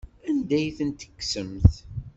Anda ay tent-tekksemt?